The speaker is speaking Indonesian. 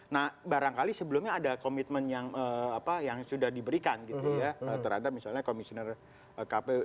nah barangkali sebelumnya ada komitmen yang sudah diberikan gitu ya terhadap misalnya komisioner kpu